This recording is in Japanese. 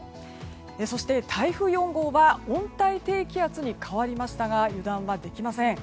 そして、台風４号は温帯低気圧に変わりましたが油断はできません。